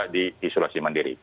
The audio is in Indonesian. jadi isolasi mandiri